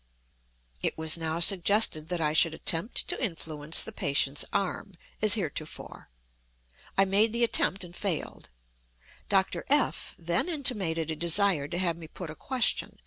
It was now suggested that I should attempt to influence the patient's arm, as heretofore. I made the attempt and failed. Dr. F—— then intimated a desire to have me put a question.